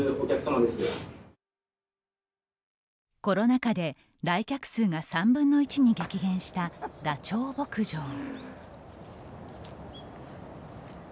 コロナ禍で来客数が３分の１に激減したダチョウ牧場。